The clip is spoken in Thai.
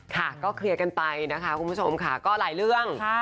ค่ะก็เคลียร์กันไปนะคะคุณผู้ชมค่ะก็หลายเรื่อง